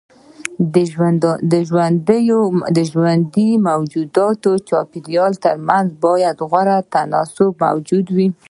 د ژوندي موجود او چاپيريال ترمنځ بايد غوره تناسب موجود وي.